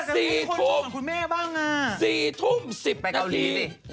สี่ทุ่มสี่ทุ่มสิบนาที